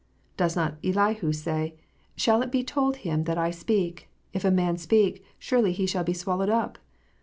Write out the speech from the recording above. Does not Elihu say, " Shall it be told Him that I speak *? If a man speak, surely he shall be swallowed up